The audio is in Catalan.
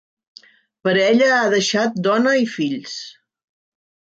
Per ella ha deixat dona i fills.